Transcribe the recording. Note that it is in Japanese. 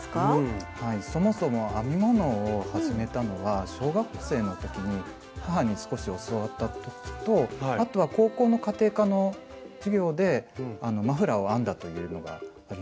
はいそもそも編み物を始めたのは小学生の時に母に少し教わった時とあとは高校の家庭科の授業でマフラーを編んだというのがあります。